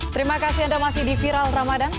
terima kasih anda masih di viral ramadan